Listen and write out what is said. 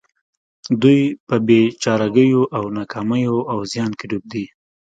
دوی په بې چارګيو او ناکاميو او زيان کې ډوب دي.